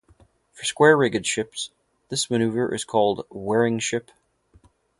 For square-rigged ships, this maneuver is called wearing ship.